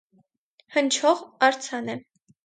Հնչող արձան է։